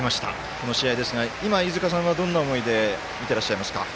この試合ですが今、飯塚さんはどんな思いで見てらっしゃいますか。